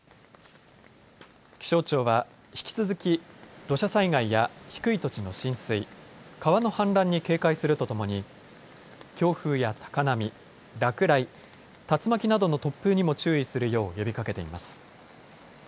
気象庁は引き続き土砂災害や低い土地の浸水、川の氾濫に警戒するとともに強風や高波、落雷、竜巻などの突風にも注意するよう呼びかけています。